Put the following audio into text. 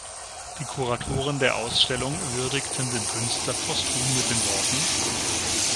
Die Kuratoren der Ausstellung würdigten den Künstler posthum mit den Worten